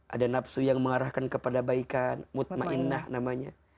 ada nafsu yang mengarahkan kepada baikan mutmainnah namanya